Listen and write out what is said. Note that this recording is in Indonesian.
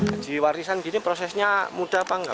haji warisan gini prosesnya mudah apa enggak